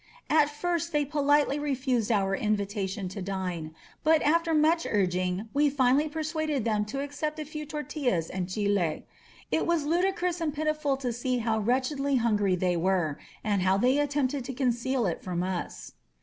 At first they politely refused our invitation to dine, but after much urging we finally persuaded them to accept a few tortiUas and chUe, It was ludicrous and pitifjji'to see how wretchedly hungry they were, and how they attempted to conceal it from us.